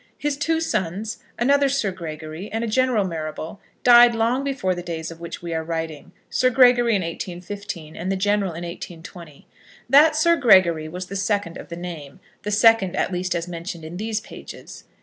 His two sons, another Sir Gregory and a General Marrable, died long before the days of which we are writing, Sir Gregory in 1815, and the General in 1820. That Sir Gregory was the second of the name, the second at least as mentioned in these pages.